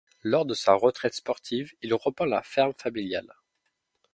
Lors de sa retraite sportive, il reprend la ferme familiale.